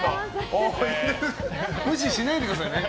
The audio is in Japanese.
無視しないでくださいね。